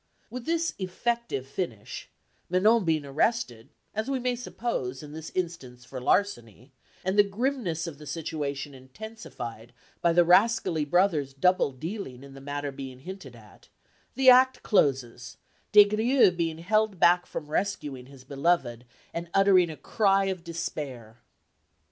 With this effective finish Manon being arrested, as we may suppose, in this instance for larceny, and the grimness of the situation intensified by the rascally brother's double dealing in the matter being hinted at the act closes, Des Grieux being held back from rescuing his beloved, and uttering a cry of despair.